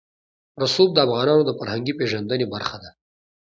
رسوب د افغانانو د فرهنګي پیژندنې برخه ده.